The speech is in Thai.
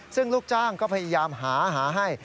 ซึ่งลูกจ้างก็พยายามหาหาให้